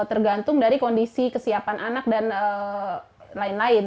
tergantung dari kondisi kesiapan anak dan lain lain